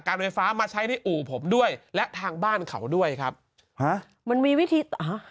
ไฟฟ้ามาใช้ในอู่ผมด้วยและทางบ้านเขาด้วยครับฮะมันมีวิธีอ้าว